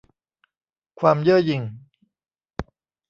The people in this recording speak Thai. ความเย่อหยิ่ง